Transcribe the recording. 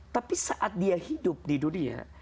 tapi saat dia hidup di dunia